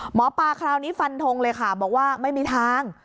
หมอปลาคราวนี้ฟันทงเลยค่ะบอกว่าไม่มีทาง